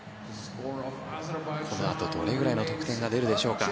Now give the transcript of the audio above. このあと、どれくらいの得点が出るでしょうか。